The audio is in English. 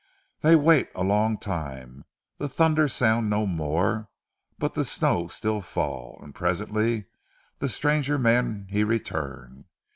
Dey wait a long time. Ze thunder sound no more, but ze snow still fall, an' presently, ze stranger mans he return.